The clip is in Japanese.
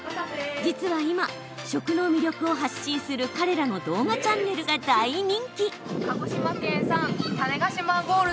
実は今、食の魅力を発信する彼らの動画チャンネルが大人気。